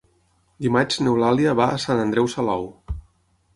Dimarts n'Eulàlia va a Sant Andreu Salou.